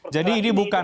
jadi ini bukan